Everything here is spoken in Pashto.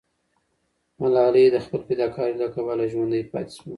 ملالۍ د خپل فداکارۍ له کبله ژوندی پاتې سوه.